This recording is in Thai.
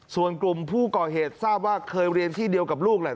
ส่วนกลุ่มผู้ก่อเหตุทราบว่าเคยเรียนที่เดียวกับลูกแหละ